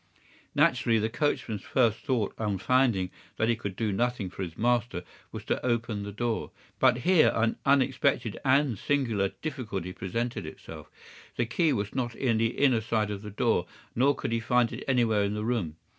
"Naturally, the coachman's first thought, on finding that he could do nothing for his master, was to open the door. But here an unexpected and singular difficulty presented itself. The key was not in the inner side of the door, nor could he find it anywhere in the room.